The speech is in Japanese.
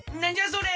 それ！